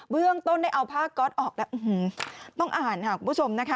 เรื่องต้นได้เอาผ้าก๊อตออกแล้วต้องอ่านค่ะคุณผู้ชมนะคะ